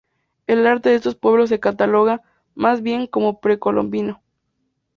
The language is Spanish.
El arte de estos pueblos se cataloga, más bien, como precolombino.